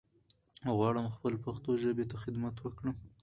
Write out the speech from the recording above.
غواړم خپل پښتو ژبې ته خدمت وکړم